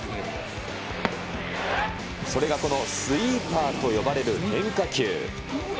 それがこのスイーパーと呼ばれる変化球。